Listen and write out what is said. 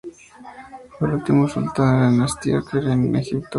Fue el último sultán de la dinastía que reinó en Egipto.